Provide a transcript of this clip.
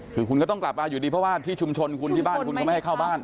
คือคุณก็ต้องกลับมาอยู่ดีเพราะว่าที่ชุมชนคุณที่บ้านคุณก็ไม่ให้เข้าบ้าน